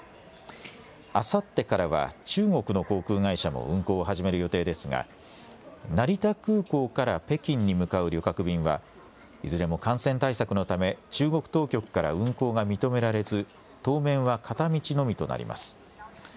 あさってからは中国の航空会社も運航を始める予定ですが成田空港から北京に向かう旅客便はいずれも感染対策のため中国当局から運航が認められず当面は片道のみとなります。